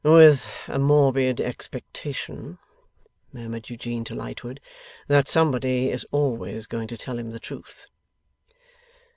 ['With a morbid expectation,' murmured Eugene to Lightwood, 'that somebody is always going to tell him the truth.